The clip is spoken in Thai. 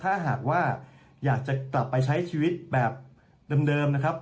ถ้าหากว่าอยากจะกลับไปใช้ชีวิตแบบเดิมนะครับ